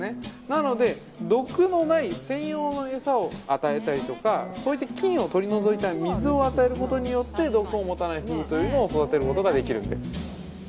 なので、毒のない専用の餌を与えたりとかそういって菌取り除いた水を与えることによって毒を持たないフグというのを育てることができるんです。